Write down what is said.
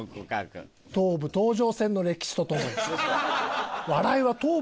東武東上線の歴史と共に。